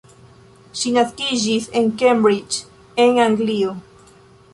Ŝi naskiĝis en Cambridge en Anglio.